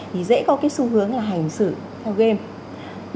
thì dễ có cái xu hướng là hành xử theo game